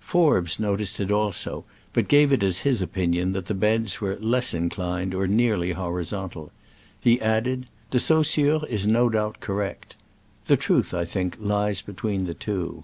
Forbes noticed it also, but gave it as his opinion that the beds were "less inclined, or nearly horizontal.'* He added, "De Saussure is no doubt correct. The truth, I think, lies between the two.